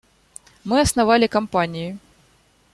Мы основали компании.